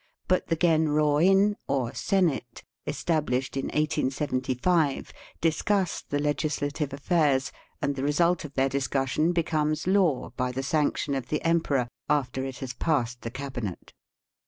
But the Genroin or Senate, established in 1876, discuss the legislative affairs, and the result of their discussion becomes law by the sanction of the emperor, after it has passed the Cabinet.